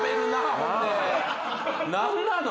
何なの？